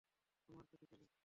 আমার সাথে চলুন।